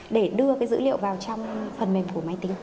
để đưa dữ liệu vào trong phần mềm của máy tính